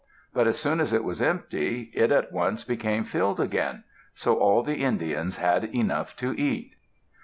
But as soon as it was empty, it at once became filled again, so all the Indians had enough to eat.